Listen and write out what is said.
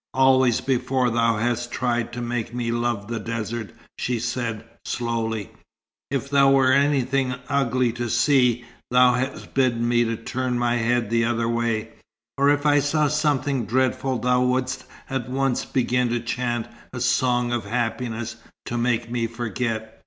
"Always before thou hast tried to make me love the desert," she said, slowly. "If there were anything ugly to see, thou hast bidden me turn my head the other way, or if I saw something dreadful thou wouldst at once begin to chant a song of happiness, to make me forget.